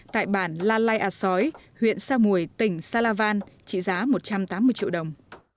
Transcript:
tại bản la lai a sói huyện sa mùi tỉnh sa la van trị giá một trăm tám mươi triệu đồng